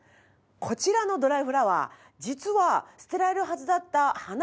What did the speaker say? こちらのドライフラワー実は捨てられるはずだった花を使っているんです。